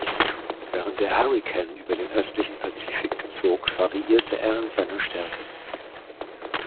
Während der Hurrikan über den östlichen Pazifik zog, variierte er in seiner Stärke.